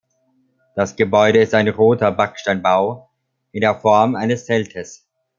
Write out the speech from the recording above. Das Gebäude ist ein roter Backsteinbau in der Form eines Zeltes.